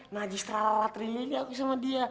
najis terlalat rilis aku sama dia